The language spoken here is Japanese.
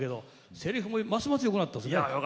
せりふもますますよくなったですね。